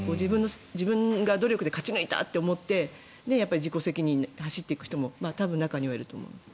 自分が努力で勝ち抜いたと思って自己責任に走っていく人も中にはいると思う。